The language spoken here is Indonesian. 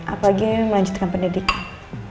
apalagi ini melanjutkan pendidikan